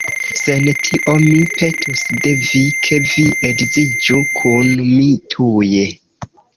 Sen tio, mi petus de vi, ke vi edziĝu kun mi tuje.